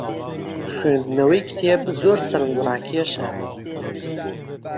خوێندنەوەی کتێب زۆر سەرنجڕاکێشە.